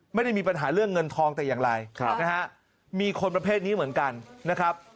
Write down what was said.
ไม่ได้มีปัญหาเรื่องเงินทองแต่อย่างไรนะฮะมีคนประเภทนี้เหมือนกันนะครับ